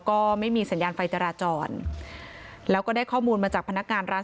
ก็ไม่มีสัญญาณไฟจราจรแล้วก็ได้ข้อมูลมาจากพนักงานร้าน